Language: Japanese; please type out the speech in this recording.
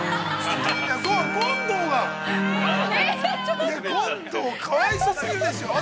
権藤が、いや、権藤かわいそうすぎるでしょう。